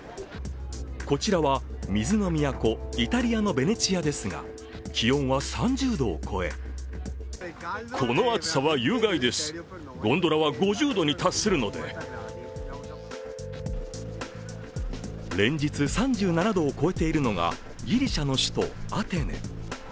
こちらは水の都、イタリアのベネチアですが気温は３０度を超え連日３７度を超えているのがギリシャの首都・アテネ。